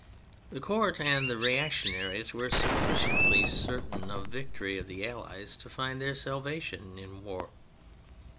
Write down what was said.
The Court and the reactionaries were sufficiently certain of the victory of the Allies to find their salvation in war.